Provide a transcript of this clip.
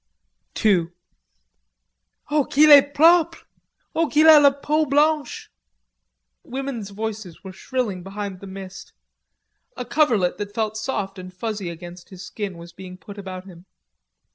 II "Oh, qu'il est propre! Oh, qu'il a la peau blanche!" Women's voices were shrilling behind the mist. A coverlet that felt soft and fuzzy against his skin was being put about him.